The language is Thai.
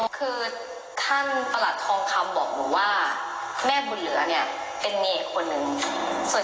คือท่านประหลัดทองคำบอกหนูว่าแม่บุญเหลือเนี่ยเป็นเนย์คนหนึ่ง